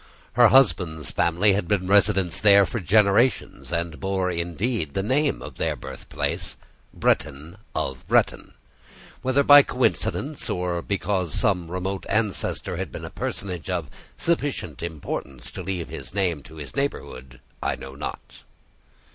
Her husband's family had been residents there for generations, and bore, indeed, the name of their birthplace—Bretton of Bretton: whether by coincidence, or because some remote ancestor had been a personage of sufficient importance to leave his name to his neighbourhood, I know not.